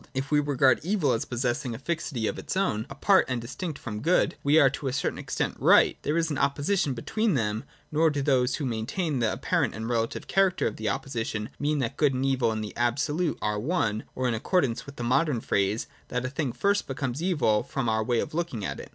If we regard Evil as possessing a fixity of its own, apart] and distinct from Good, we are to a certain extent right: there is an opposition between them : nor do those who maintain the apparent and relative character of the oppo sition mean that Evil and Good in the Absolute are one, or, in accordance with the modern phrase, that a thing first becomes evil from our way of looking at it.